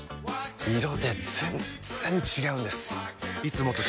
色で全然違うんです！